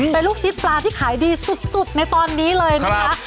เป็นลูกชิ้นปลาที่ขายดีสุดในตอนนี้เลยนะคะ